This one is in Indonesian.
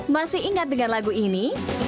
masih ingat dengan lagu ini